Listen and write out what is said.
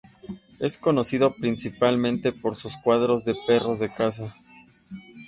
Es conocido principalmente por sus cuadros de perros de caza.